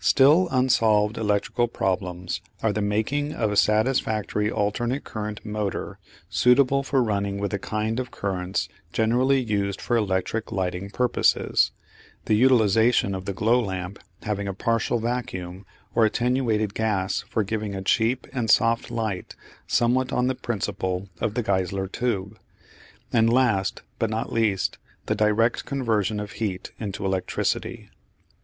Still unsolved electrical problems are the making of a satisfactory alternate current motor suitable for running with the kind of currents generally used for electric lighting purposes the utilisation of the glow lamp having a partial vacuum or attenuated gas for giving a cheap and soft light somewhat on the principle of the Geissler tube and last, but not least, the direct conversion of heat into electricity.